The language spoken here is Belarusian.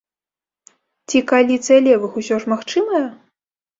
Ці кааліцыя левых усё ж магчымая?